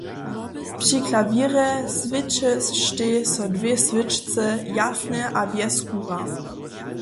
Při klawěrje swěćeštej so dwě swěčce, jasnje a bjez kura.